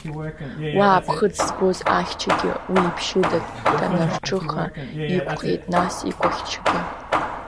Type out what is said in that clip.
Уа аԥхыӡ збоз ахьчагьы, уи абжьы данарҿыха, иқәҟьеит наҟ икәахьчагьы…